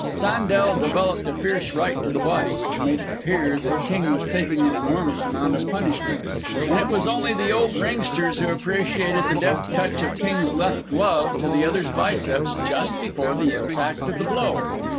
Sandel developed a fierce right to the body, which made it appear that King was taking an enormous amount of punishment, and it was only the old ringsters who appreciated the deft touch of King's left glove to the other's biceps just before the impact of the blow.